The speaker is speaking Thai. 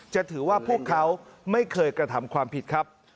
จะถือว่าพวกเขาไม่เคยกระทำความผิดครับ